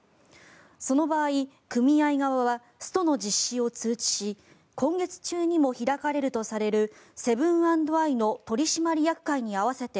その場合、組合側はストの実施を通知し今月中にも開かれるとされるセブン＆アイの取締役会に合わせて